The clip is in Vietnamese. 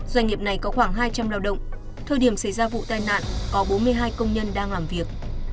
doanh nghiệp này có khoảng hai trăm linh lao động thời điểm xảy ra vụ tai nạn có bốn mươi hai công nhân đang làm việc